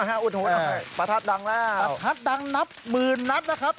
เฮ่ยอุดหูน่ะปรัฒน์ดังแล้วปรัฒน์ดังนับหมื่นนับนะครับ